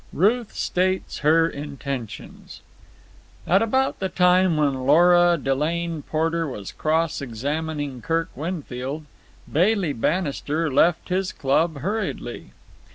Ruth States Her Intentions At about the time when Lora Delane Porter was cross examining Kirk Winfield, Bailey Bannister left his club hurriedly.